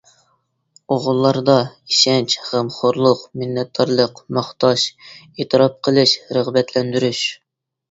ئوغۇللاردا: ئىشەنچ، غەمخورلۇق، مىننەتدارلىق، ماختاش، ئېتىراپ قىلىش، رىغبەتلەندۈرۈش.